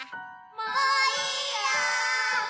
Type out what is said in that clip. もういいよ！